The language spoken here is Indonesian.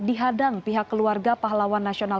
dihadang pihak keluarga pahlawan nasional